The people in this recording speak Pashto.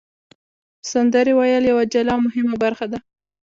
سندرې ویل یوه جلا او مهمه برخه ده.